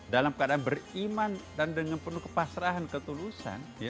dalam keadaan beriman dan dengan penuh kepasrahan ketulusan